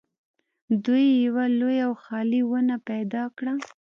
دوی یوه لویه او خالي ونه پیدا کړه